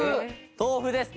豆腐です。